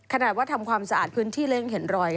ขนาดว่าทำความสะอาดพื้นที่แล้วยังเห็นรอย